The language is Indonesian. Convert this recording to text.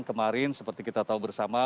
kemarin seperti kita tahu bersama